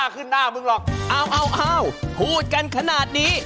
อ้าวพูดกันขนาดนี้